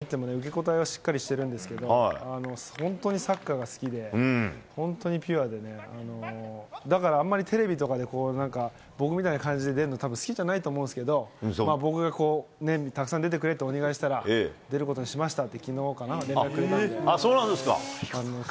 まあインタビューとか見てても、受け答えはしっかりしてるんですけど、本当にサッカーが好きで、本当にピュアでね、だからあんまりテレビとかでこう、なんか、僕みたいな感じで出るの、たぶん好きじゃないと思うんですけど、僕がたくさん出てくれってお願いしたら、出ることにしましたって、そうなんですか？